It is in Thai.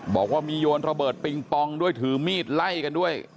บอกว่ามีโยนระเบิดปิงปองด้วยถือมีดไล่กันด้วย